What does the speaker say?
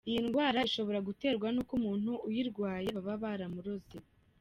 Iyi ndwara ishobora guterwa n’uko umuntu uyirwaye baba baramuroze.